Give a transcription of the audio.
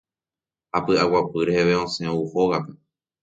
ha py'aguapy reheve osẽ ou hógape.